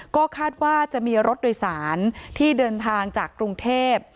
ก็คาดว่าจะมีรถโดยสารที่เดินทางจากกรุงเทพ